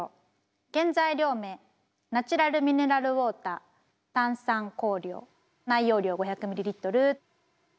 原材料名ナチュラルミネラルウォーター炭酸香料内容量５００ｍｌ。